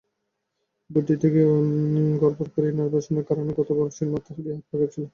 Vote দিতে গিয়ে গড়বড় করেন—এই নার্ভাসনেসের কারণে গতবার সিল মারতে গিয়ে হাত কাঁপছিল।